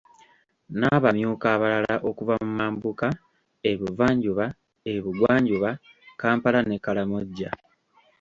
N’abamyuka abalala okuva mu Mambuka, e Buvanjuba, e Bugwanjuba, Kampala ne Karamoja.